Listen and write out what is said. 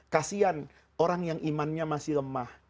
kasian orang yang imannya masih lemah